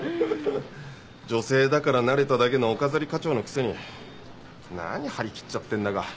女性だからなれただけのお飾り課長のくせに何張り切っちゃってんだか。